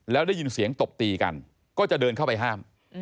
แล้วได้ยินเสียงตบตีกันก็จะเดินเข้าไปห้าม